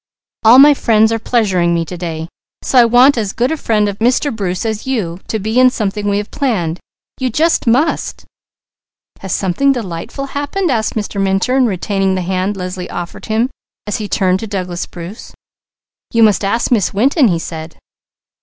All my friends are pleasuring me to day. So I want as good a friend of Mr. Bruce as you, to be in something we have planned. You just must!" "Has something delightful happened?" asked Mr. Minturn, retaining the hand Leslie offered him as he turned to Douglas Bruce. "You must ask Miss Winton," he said.